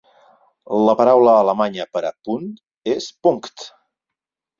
La paraula alemanya per a "punt" és "Punkt".